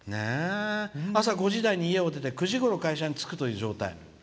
「朝５時台に家を出て９時ごろ、会社に着くという状態。